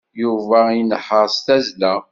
Yuba inehheṛ s tazzla.